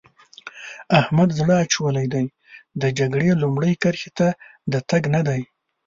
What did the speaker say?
احمد زړه اچولی دی؛ د جګړې لومړۍ کرښې ته د تګ نه دی.